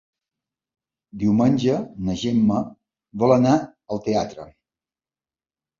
Diumenge na Gemma vol anar al teatre.